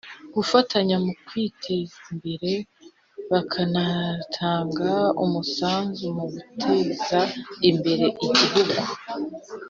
gufatanya mu kwiteza imbere bakanatanga umusanzu mu guteza imbere igihugu